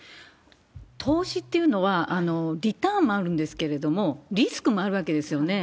投資っていうのは、リターンもあるんですけれども、リスクもあるわけですよね。